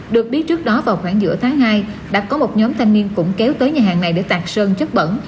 được biết trước đó vào khoảng giữa tháng hai đã có một nhóm thanh niên cũng kéo tới nhà hàng này để tạc sơn chất bẩn